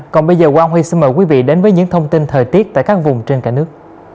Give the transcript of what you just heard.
còn bây giờ quang huy xin mời quý vị đến với những thông tin thời tiết tại các vùng trên cả nước